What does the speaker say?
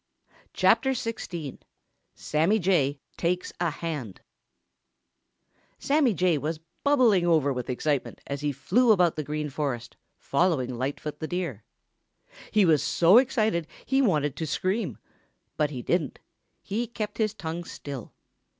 CHAPTER XXXVI SAMMY JAY TAKES A HAND Sammy Jay was bubbling over with excitement as he flew about through the Green Forest, following Lightfoot the Deer. He was so excited he wanted to scream. But he didn't. He kept his tongue still.